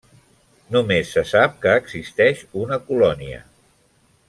Només se sap que existeix una colònia.